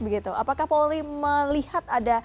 begitu apakah polri melihat ada